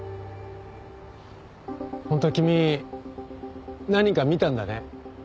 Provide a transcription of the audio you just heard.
本当は君何か見たんだね？